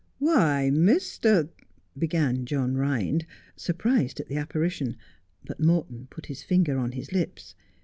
' Why, Mr. ' began John Ehind, surprised at the appari tion, but Morton put his finger on his lips.